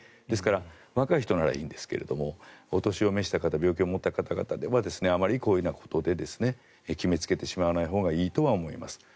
ですから若い人ならいいんですがお年を召した方病気を持った方々ではあまりこういうことで決めつけてしまわないほうがいいとは思います。